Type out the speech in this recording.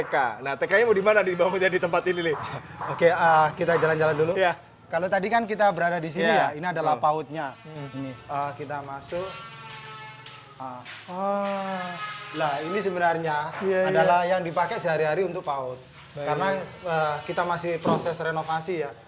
karena kita masih proses renovasi ya